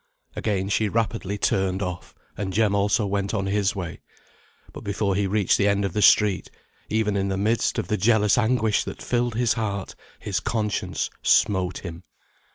Again she rapidly turned off, and Jem also went on his way. But before he reached the end of the street, even in the midst of the jealous anguish that filled his heart, his conscience smote him.